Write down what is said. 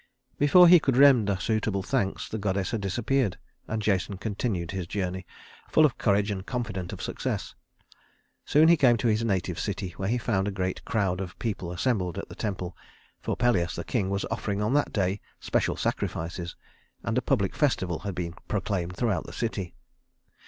Before he could render suitable thanks, the goddess had disappeared, and Jason continued his journey, full of courage and confident of success. Soon he came to his native city, where he found a great crowd of people assembled at the temple, for Pelias, the king, was offering on that day special sacrifices, and a public festival had been proclaimed throughout the city.